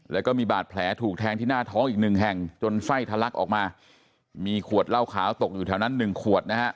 แล้วก็มีบาดแผลถูกแทงที่หน้าท้องอีกหนึ่งแห่งจนไส้ทะลักออกมามีขวดเหล้าขาวตกอยู่แถวนั้นหนึ่งขวดนะฮะ